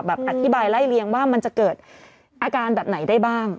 อธิบายไล่เลี้ยงว่ามันจะเกิดอาการแบบไหนได้บ้าง